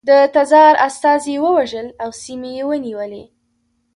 د تزار استازي یې ووژل او سیمې یې ونیولې.